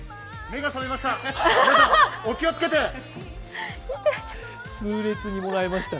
目が覚めました。